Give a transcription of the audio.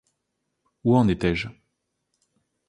Où en étais-je ?